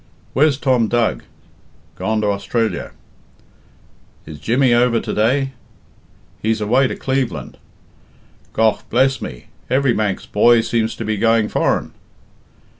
"Where's Tom Dug?" "Gone to Austrilla." "Is Jimmy over to day?" "He's away to Cleveland." "Gough, bless me, every Manx boy seems to be going foreign."